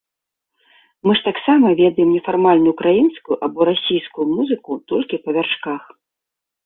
Мы ж таксама ведаем нефармальную ўкраінскую або расійскую музыку толькі па вяршках.